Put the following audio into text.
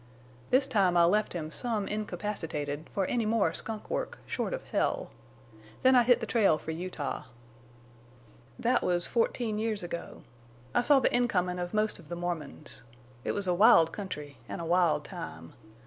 This time I left him some incapacitated for any more skunk work short of hell. Then I hit the trail for Utah. "That was fourteen years ago. I saw the incomin' of most of the Mormons. It was a wild country an' a wild time.